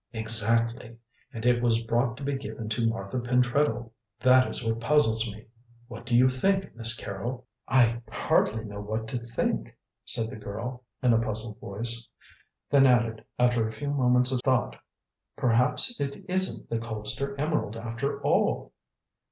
"Exactly, and it was brought to be given to Martha Pentreddle. That is what puzzles me. What do you think, Miss Carrol?" "I hardly know what to think," said the girl, in a puzzled voice; then added, after a few moments of thought: "Perhaps it isn't the Colpster emerald after all."